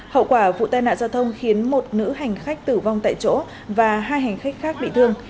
hậu quả vụ tai nạn giao thông khiến một nữ hành khách tử vong tại chỗ và hai hành khách khác bị thương